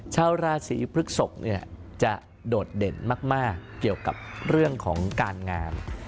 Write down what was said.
ชาวราศีพฤกษกจะโดดเด่นมากเกี่ยวกับเรื่องของการงาน